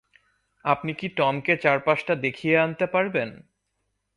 আপনি কি টমকে চারপাশটা দেখিয়ে আনতে পারবেন?